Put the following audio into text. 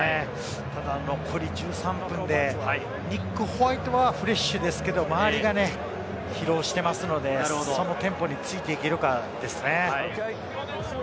ただ残り１３分でニック・ホワイトはフレッシュですけど周りがね、疲労していますので、そのテンポについていけるかですね。